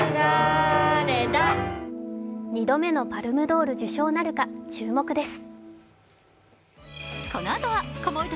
２度目のパルムドール受賞なるか注目です。